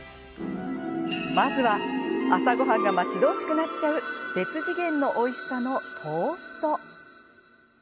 まずは、朝ごはんが待ち遠しくなっちゃう別次元のおいしさのトースト。